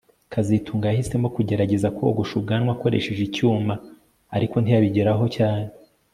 kazitunga yahisemo kugerageza kogosha ubwanwa akoresheje icyuma ariko ntiyabigeraho cyane